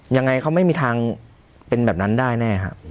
ยังไงเขาไม่มีทางเป็นแบบนั้นได้แน่ครับ